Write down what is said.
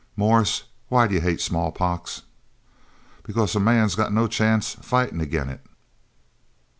"Morris, why d'you hate smallpox?" "Because a man's got no chance fightin' agin it."